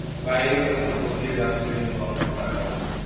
বাইরে তখনো গভীর রাত্রির মতো অন্ধকার।